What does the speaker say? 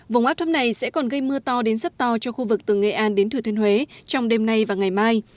vùng áp thấp này sẽ còn gây mưa to đến rất to cho khu vực từ nghệ an đến thừa thiên huế trong đêm nay và ngày mai